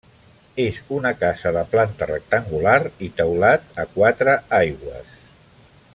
És una casa de planta rectangular i teulat a quatre aigües.